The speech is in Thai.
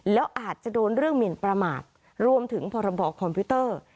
แล้วอาจจะโดนเรื่องหมินประมาทรวมถึงพรบคอมพิวเตอร์